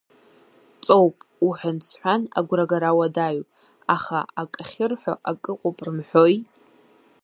Ҵоуп, уҳәан-сҳәан агәрагара уадаҩуп, аха ак ахьырҳәо, ак ыҟоуп рымҳәои…